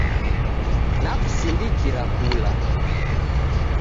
Nakusindikira kula